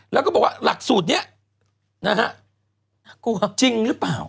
แล้วก็บอกว่าหลักสูตรนี้นะฮะจริงหรือเปล่า